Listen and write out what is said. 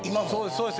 そうです。